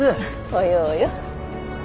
およおよ。